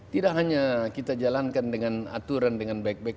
tidak hanya kita jalankan dengan aturan dengan baik baik